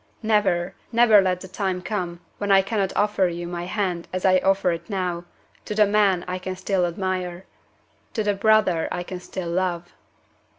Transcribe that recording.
Never, never, let the time come when I cannot offer you my hand as I offer it now, to the man I can still admire to the brother I can still love!"